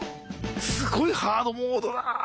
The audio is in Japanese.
すごいハードモードだ。